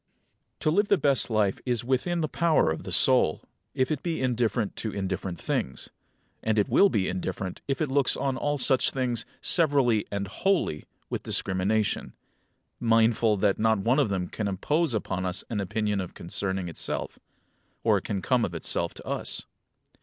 16. To live the best life is within the power of the soul, if it be indifferent to indifferent things. And it will be indifferent if it looks on all such things, severally and wholly, with discrimination; mindful that not one of them can impose upon us an opinion concerning itself, or can come of itself to us.